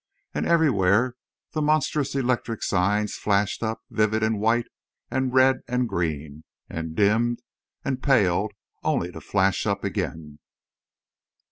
And everywhere the monstrous electric signs flared up vivid in white and red and green; and dimmed and paled, only to flash up again.